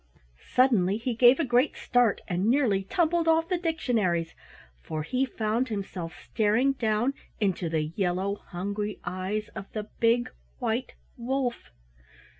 Suddenly he gave a great start and nearly tumbled off the dictionaries, for he found himself staring down into the yellow hungry eyes of the big white wolf.